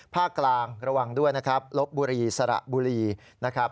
ภาคกลางระวังด้วยนะครับลบบุรีสระบุรีนะครับ